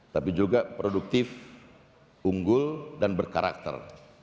tapi juga produktif unggul dan berkarakter